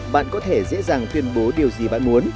bạn có thể dễ dàng tuyên bố điều gì bạn muốn